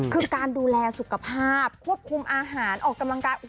คือการดูแลสุขภาพควบคุมอาหารออกกำลังกาย